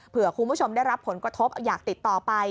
คุณผู้ชมได้รับผลกระทบอยากติดต่อไป